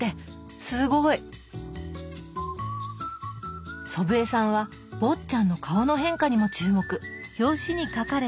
すごい！祖父江さんは坊っちゃんの顔の変化にも注目。